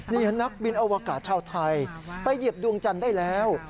นี่นักบินอวกาศชาวไทยไปเหยียบดวงจันทร์ได้แล้ว